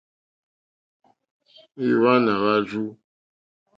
Ìŋwánà wûrzú.